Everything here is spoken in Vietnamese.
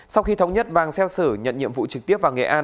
sau khi thống nhất vàng xeo sử nhận nhiệm vụ trực tiếp vào nghệ an